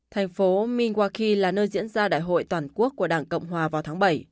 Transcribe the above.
thành phố minwaki là nơi diễn ra đại hội toàn quốc của đảng cộng hòa vào tháng bảy